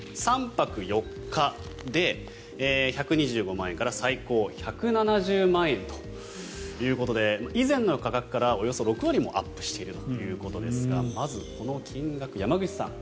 ３泊４日で１２５万円から最高１７０万円ということで以前の価格からおよそ６割もアップしているということですがまず、この金額山口さん。